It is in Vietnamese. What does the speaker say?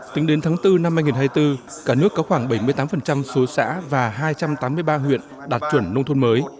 tính đến tháng bốn năm hai nghìn hai mươi bốn cả nước có khoảng bảy mươi tám số xã và hai trăm tám mươi ba huyện đạt chuẩn nông thôn mới